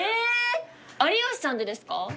有吉さんでですか